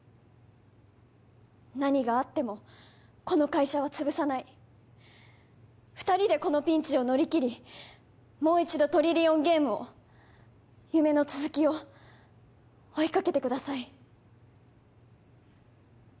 何があってもこの会社は潰さない二人でこのピンチを乗り切りもう一度トリリオンゲームを夢の続きを追いかけてください